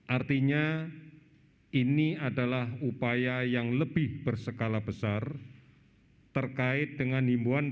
artinya ini adalah upaya yang lebih berskala besar terkait dengan himbuan